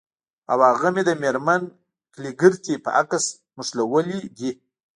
او هغه مې د میرمن کلیګرتي په عکس نښلولي دي